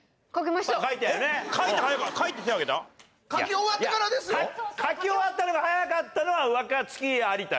書き終わったのが早かったのは若槻有田よ。